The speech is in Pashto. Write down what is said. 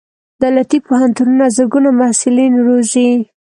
دولتي پوهنتونونه زرګونه محصلین روزي.